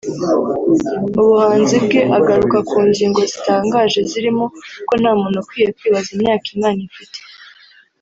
Mu buhanzi bwe agaruka ku ngingo zitangaje zirimo ko nta muntu ukwiye kwibaza imyaka Imana ifite